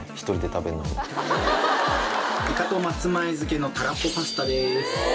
イカと松前漬けのたらこパスタです。